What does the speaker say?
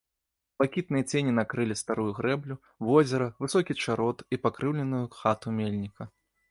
Блакітныя цені накрылі старую грэблю, возера, высокі чарот і пакрыўленую хату мельніка.